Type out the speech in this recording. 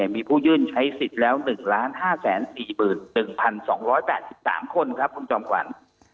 มีผู้ยื่นใช้สิทธิ์แล้ว๑๕๔๑๒๘๓คนครับคุณจอมขวัญ